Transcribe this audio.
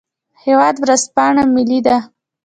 هیواد ورځپاڼه ملي ده